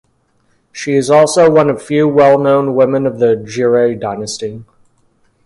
She is also one of few well known women of the Giray dynasty.